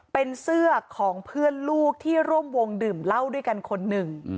เป็นเสื้อของเพื่อนลูกที่ร่วมวงดื่มเหล้าด้วยกันคนหนึ่ง